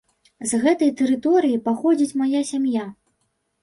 З гэтай тэрыторыі паходзіць мая сям'я.